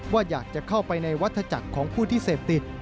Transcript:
ว่าอยากจะเข้าไปในวัตถจักรของผู้ที่เสพติด